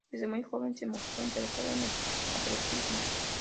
Desde muy joven se mostró interesada en el atletismo.